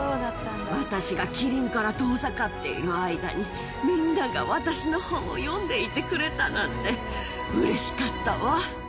私がキリンから遠ざかっている間に、みんなが私の本を読んでいてくれたなんて、うれしかったわ。